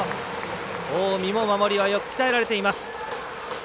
近江も守りはよく鍛えられています。